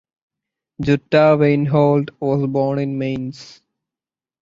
Jutta Weinhold was born in Mainz.